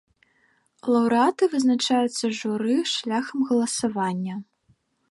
Лаўрэаты вызначаюцца журы шляхам галасавання.